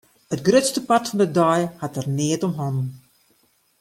It grutste part fan de dei hat er neat om hannen.